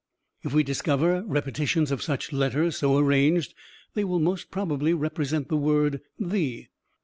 If we discover repetitions of such letters, so arranged, they will most probably represent the word 'the.'